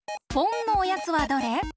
ポンのおやつはどれ？